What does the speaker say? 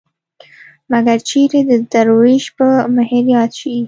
مګر چېرې د دروېش په مهر ياد شي.